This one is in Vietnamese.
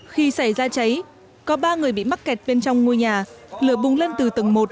khi xảy ra cháy có ba người bị mắc kẹt bên trong ngôi nhà lửa bùng lên từ tầng một